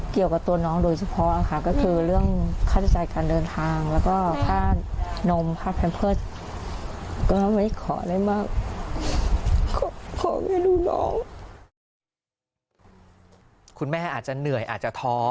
คุณแม่อาจจะเหนื่อยอาจจะท้อ